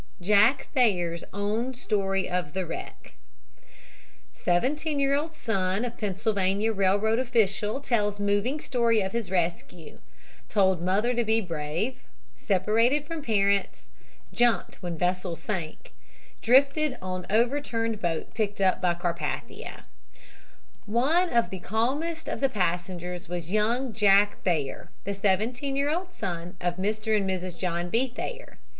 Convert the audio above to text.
JACK THAYER'S OWN STORY OF THE WRECK SEVENTEEN YEAR OLD SON OF PENNSYLVANIA RAILROAD OFFICIAL TELLS MOVING STORY OF HIS RESCUE TOLD MOTHER TO BE BRAVE SEPARATED FROM PARENTS JUMPED WHEN VESSEL SANK DRIFTED ON OVERTURNED BOAT PICKED UP BY CARPATHIA ONE of the calmest of the passengers was: young Jack Thayer, the seventeen year old son of Mr. and Mrs. John B. Thayer.